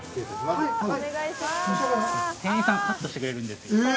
店員さんがカットしてくれるんですええ